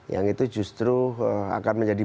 yang itu justru akan menjadi